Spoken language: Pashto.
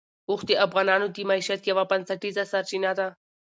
اوښ د افغانانو د معیشت یوه بنسټیزه سرچینه ده.